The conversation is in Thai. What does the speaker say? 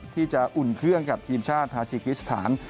ที่จะอุ่นเครื่องกับทีมชาติทาชิกริสถาน